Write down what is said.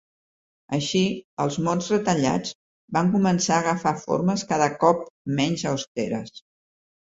Així, els mots retallats van començar a agafar formes cada cop menys austeres.